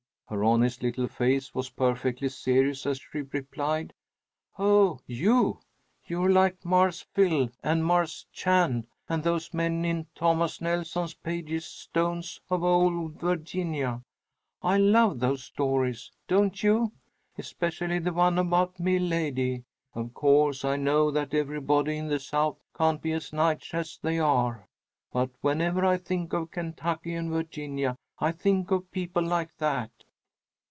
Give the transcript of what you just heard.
Her honest little face was perfectly serious as she replied, "Oh, you, you're like Marse Phil and Marse Chan and those men in Thomas Nelson Page's stones of 'Ole Virginia,' I love those stories, don't you? Especially the one about 'Meh Lady.' Of course I know that everybody in the South can't be as nice as they are, but whenever I think of Kentucky and Virginia I think of people like that."